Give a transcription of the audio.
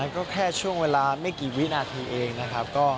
ก็แค่ช่วงเวลาไม่กี่วินาทีเองนะครับ